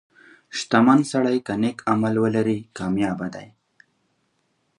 • شتمن سړی که نیک عمل ولري، کامیابه دی.